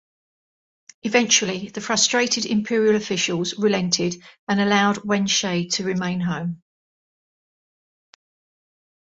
Eventually, the frustrated imperial officials relented and allowed Wen Shi to remain home.